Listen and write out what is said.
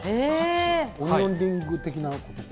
オニオンリング的なことかな。